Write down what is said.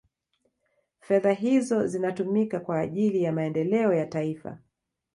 fedha hizo zinatumika kwa ajili ya maendeleo ya taifa